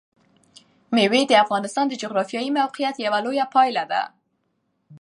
مېوې د افغانستان د جغرافیایي موقیعت یوه لویه پایله ده.